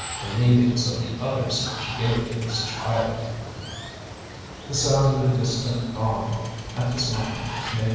The leavings of the others she gave to this child. The sound of a distant gong at this moment made M.